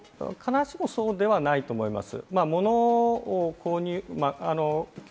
必ずしもそうではないと思います。